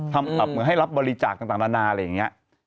เหมือนให้รับบริจาคต่างนานาอะไรอย่างนี้